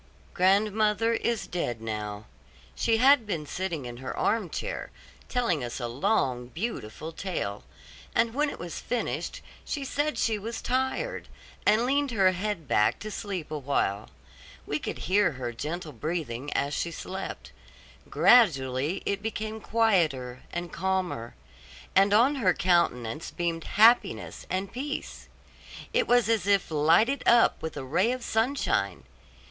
Grandmother is dead now. She had been sitting in her arm chair, telling us a long, beautiful tale; and when it was finished, she said she was tired, and leaned her head back to sleep awhile. We could hear her gentle breathing as she slept; gradually it became quieter and calmer, and on her countenance beamed happiness and peace. It was as if lighted up with a ray of sunshine.